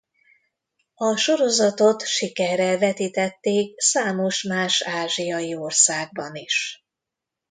A sorozatot sikerrel vetítették számos más ázsiai országban is.